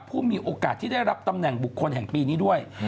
ผู้มีโอกาสที่ได้รับตำแหน่งบุคคลแห่งปีนี้ด้วย